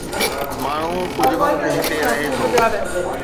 ماڻهو ڪجهه وقت هتي رهي ٿو.